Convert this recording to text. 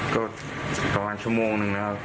ก็ประมาณชั่วโมงหนึ่งแล้วครับ